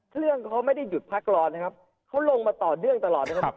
เครื่องเขาไม่ได้หยุดพักรอนะครับเขาลงมาต่อเนื่องตลอดนะครับ